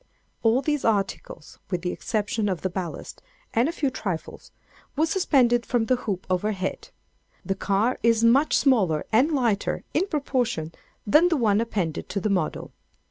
All these articles, with the exception of the ballast, and a few trifles, were suspended from the hoop overhead. The car is much smaller and lighter, in proportion, than the one appended to the model.